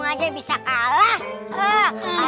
nggak ada yang bisa dikepung